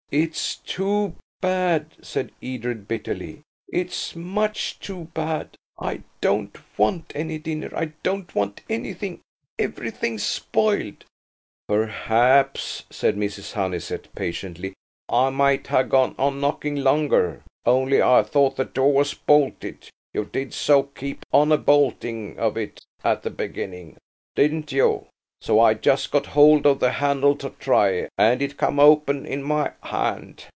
"It's too bad," said Edred bitterly; "it's much too bad. I don't want any dinner; I don't want anything. Everything's spoiled." "Perhaps," said Mrs. Honeysett patiently, "I might ha' gone on knocking longer, only I thought the door was bolted–you did so keep on a bolting of it at the beginning, didn't you? So I just got hold of the handle to try, and it come open in my hand.